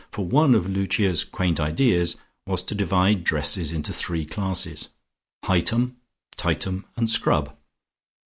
For one of Lucia's quaint ideas was to divide dresses into three classes, "Hightum," "Tightum" and "Scrub."